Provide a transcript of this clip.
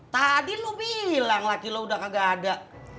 tadi lo bilang laki lo udah kagak ada